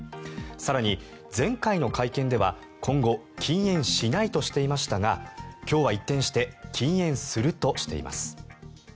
更に、前回の会見では今後禁煙しないとしていましたが今日は一転して禁煙するとしています。